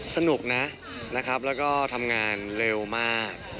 สนุกนะนะครับแล้วก็ทำงานเร็วมาก